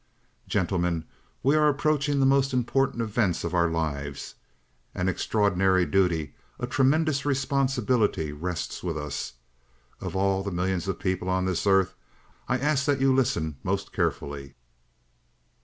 "Gentlemen, we are approaching the most important events of our lives. An extraordinary duty a tremendous responsibility, rests with us, of all the millions of people on this earth. I ask that you listen most carefully."